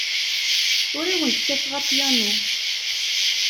Ur awent-kkateɣ apyanu.